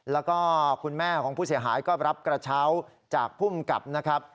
แล้วก็คุณแม่ของผู้เสียหายก็รับกระเช้าจากภูมิกับนะครับ